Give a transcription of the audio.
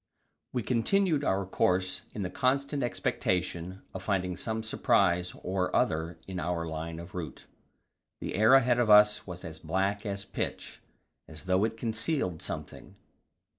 We continued our course in the constant expectation of finding some surprise or other in our line of route. The air ahead of us was as black as pitch, as though it concealed something.